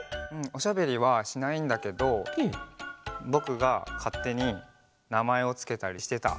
おしゃべりはしないんだけどぼくがかってになまえをつけたりしてた。